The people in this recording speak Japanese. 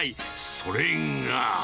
それが。